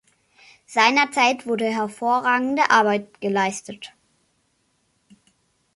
Seinerzeit wurde hervorragende Arbeit geleistet.